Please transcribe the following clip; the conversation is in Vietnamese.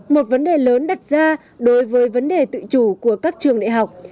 một vấn đề lớn đặt ra đối với vấn đề tự chủ của các trường đại học